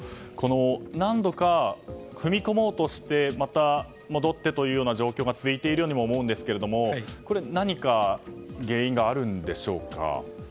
何度か踏み込もうとしてまた戻ってという状況が続いているようにも思うんですけれども何か原因があるんでしょうか。